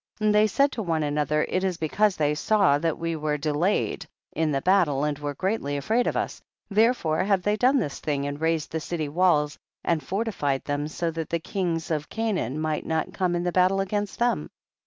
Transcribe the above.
13. And they said one to the other, it is becausethey sawthatwe were de layed, in the battle, and were greatly afraid of us, therefore have they done this thing and raised the city walls and fortified them so that the kings of Canaan might not come in battle against them.